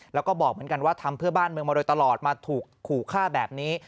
แล้วก็บอกเหมือนกันว่าทำเพื่อบ้านเมืองมาโดยตลอดมาถูกขู่ฆ่าแบบนี้